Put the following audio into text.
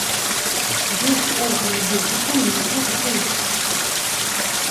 Есць органы дотыку, нюху, слыху.